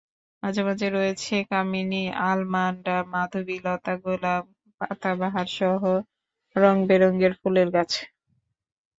মাঝে মাঝে রয়েছে কামিনী, আলমান্ডা, মাধবীলতা, গোলাপ, পাতাবাহারসহ রংবেরঙের ফুলের গাছ।